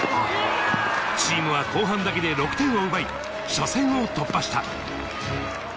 チームは後半だけで６点を奪い初戦を突破した。